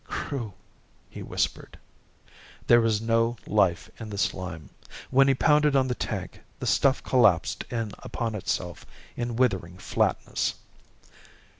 "Crew " he whispered. There was no life in the slime. When he pounded on the tank, the stuff collapsed in upon itself in withering flatness.